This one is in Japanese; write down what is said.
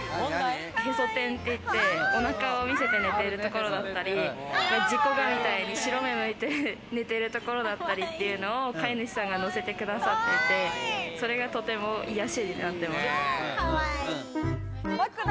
へそ天って言って、お腹を見せて寝てるところだったり、事故画みたいに白目むいて寝てるところだったりっていうのを飼い主さんが載せてくださっていて、それがとても癒しになってます。